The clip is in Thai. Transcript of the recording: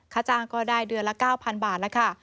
ค่าจ้างก็ได้เดือนละ๙๐๐บาทแล้วค่ะ